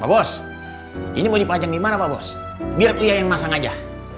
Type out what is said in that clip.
pak bos ini mau dipajang dimana pak bos biar dia yang masang aja